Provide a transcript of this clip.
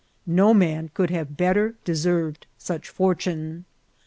No man could have better deserved such fortune.